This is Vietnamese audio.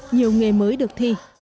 nhiều nghề mới được thi